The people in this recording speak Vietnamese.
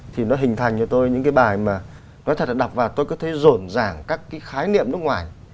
thì nó hình thành cho tôi những cái bài mà nói thật là đọc và tôi có thấy rộn ràng các cái khái niệm nước ngoài